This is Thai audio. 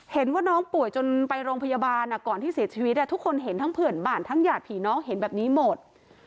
เห็นว่าน้องป่วยจนไปโรงพยาบาลก่อนที่เสียชีวิตทุกคนเห็นทั้งเพื่อนบ้านทั้งหยาดผีน้องเห็นแบบนี้หมด